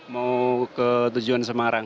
mau ke tujuan semarang